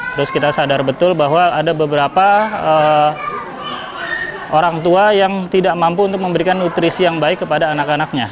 terus kita sadar betul bahwa ada beberapa orang tua yang tidak mampu untuk memberikan nutrisi yang baik kepada anak anaknya